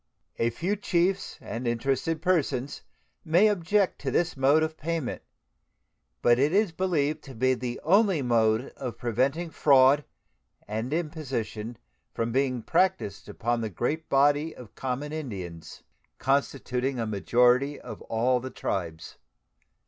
A few chiefs and interested persons may object to this mode of payment, but it is believed to be the only mode of preventing fraud and imposition from being practiced upon the great body of common Indians, constituting a majority of all the tribes.